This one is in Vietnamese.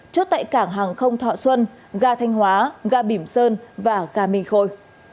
chốt tại cảng hàng không thọ xuân ga thanh hóa ga bỉm sơn và ga minh khôi